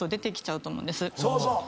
そうそう。